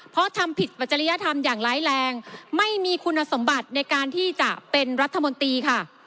เพราะทำผิดปัจจริยธรรมอย่างร้ายแรงไม่มีคุณสมบัติในการที่จะเป็นรัฐมนตรีค่ะ